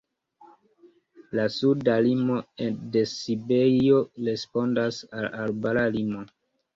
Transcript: La suda limo de Siberio respondas al la arbara limo.